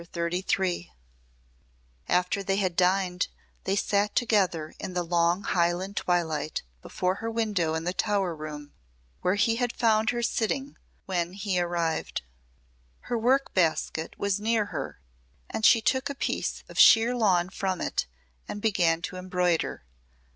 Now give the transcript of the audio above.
CHAPTER XXXIII After they had dined they sat together in the long Highland twilight before her window in the Tower room where he had found her sitting when he arrived. Her work basket was near her and she took a piece of sheer lawn from it and began to embroider.